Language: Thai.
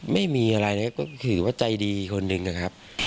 ไม่มีอะไรนะครับก็คือว่าใจดีคนหนึ่งนะครับ